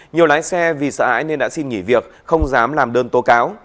nhiều lái xe vì sợ ái nên đã xin nghỉ việc không dám làm đơn tố cáo